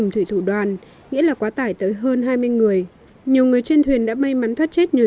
thủy thủ đoàn nghĩa là quá tải tới hơn hai mươi người nhiều người trên thuyền đã may mắn thoát chết nhờ